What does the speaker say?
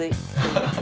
ハハハ。